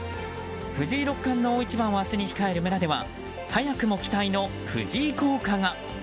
藤井六冠の大一番を明日に控える村では早くも期待の藤井効果が。